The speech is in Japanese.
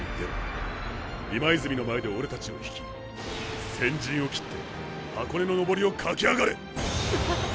今泉の前でオレたちを引き先陣を切って箱根の登りを駆け上がれ！